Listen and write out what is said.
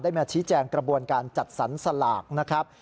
มาชี้แจงกระบวนการจัดสรรสลากนะครับ